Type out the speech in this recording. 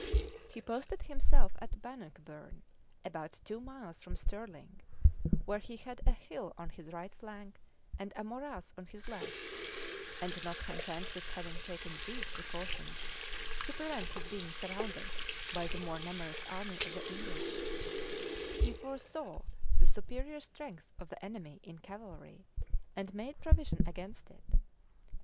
He posted himself at Bannockburn, about two miles from Stirling, where he had a hill on his right flank, and a morass on his left; and not content with having taken these precautions to prevent his being surrounded by the more numerous army of the English, he foresaw the superior strength of the enemy in cavalry, and made provision against it.